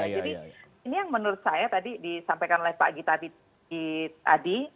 jadi ini yang menurut saya tadi disampaikan oleh pak gita tadi